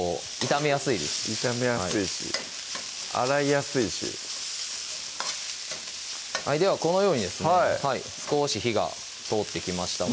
炒めやすいし洗いやすいしではこのようにですね少し火が通ってきました